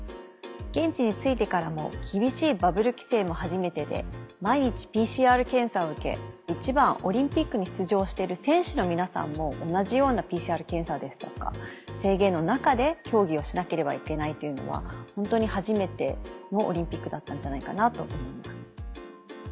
現地に着いてからも厳しいバブル規制も初めてで毎日ＰＣＲ検査を受け一番はオリンピックに出場してる選手の皆さんも同じようなＰＣＲ検査ですとか制限の中で競技をしなければいけないっていうのはホントに初めてのオリンピックだったんじゃないかなと思います。